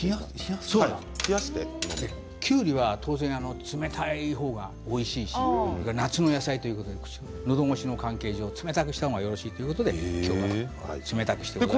きゅうりは冷たい方がおいしいし夏の野菜ということでのどごしの関係上冷たくした方がいいということで今日は冷たくしています。